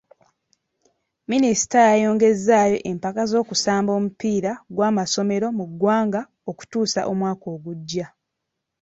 Minisita yayongezaayo empaka z'okusamba omupiira gw'amasomero mu ggwanga okutuusa omwaka ogujja .